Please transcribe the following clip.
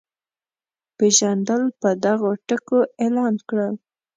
پېژندل په دغو ټکو اعلان کړل.